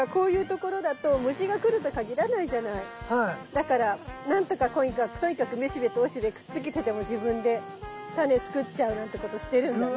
だから何とかとにかくとにかく雌しべと雄しべくっつけてでも自分でタネ作っちゃうなんてことしてるんだね。